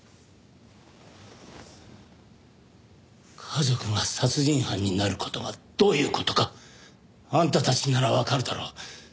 家族が殺人犯になる事がどういう事かあんたたちならわかるだろう。